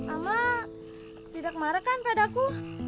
ama tidak kemarin kan padaku